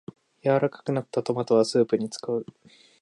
柔らかくなったトマトはスープに使う